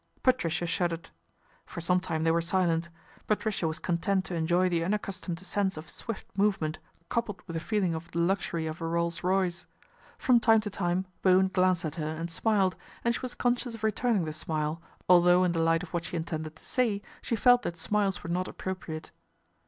Patricia shuddered. For some time they were silent. Patricia was content to enjoy the unaccustomed sense of swift movement coupled with the feeling of the luxury ioo PATRICIA BRENT, SPINSTER of a Rolls Royce. From time to time Bowen glanced at her and smiled, and she was conscious of returning the smile, although in the light of what she intended to say she felt that smiles were not appropriate.